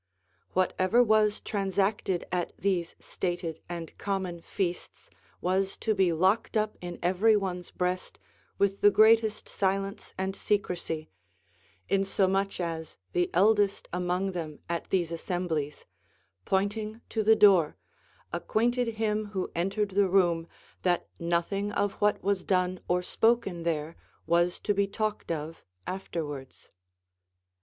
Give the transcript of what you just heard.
Whatever was transacted at these stated and common feasts was to be locked up in every one's breast with the greatest silence and secrecy, insomuch as the eldest among them at these assemblies, pointing to the door, acquainted him Avho entered the room that nothing of what was done or spoken there was to be talked of afterwards.